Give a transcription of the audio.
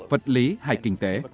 vật lý hay kinh tế